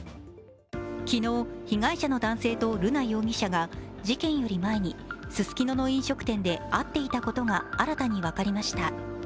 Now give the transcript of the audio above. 昨日、被害者の男性と瑠奈容疑者が事件より前にススキノの飲食店で会っていたことが新たに分かりました。